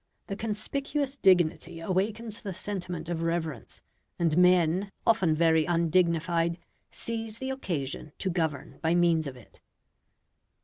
The conspicuous dignity awakens the sentiment of reverence, and men, often very undignified, seize the occasion to govern by means of it.